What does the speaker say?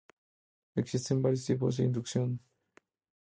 Existen varios tipos de inducción.